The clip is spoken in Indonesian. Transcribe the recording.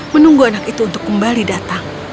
menunggu anak itu untuk kembali datang